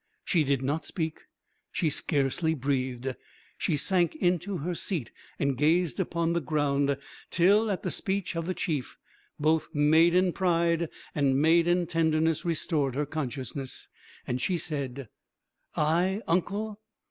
She did not speak, she scarcely breathed; she sank into her seat, and gazed upon the ground, till, at the speech of the chief, both maiden pride and maiden tenderness restored her consciousness, and she said: "I, uncle!